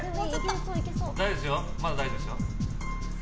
まだ大丈夫ですよ。